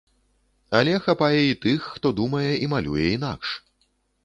Але хапае і тых, хто думае і малюе інакш.